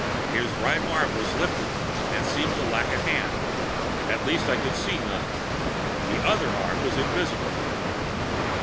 His right arm was lifted and seemed to lack the hand at least, I could see none. The other arm was invisible.